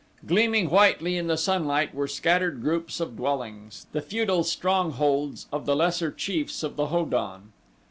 Gleaming whitely in the sunlight were scattered groups of dwellings the feudal strongholds of the lesser chiefs of the Ho don.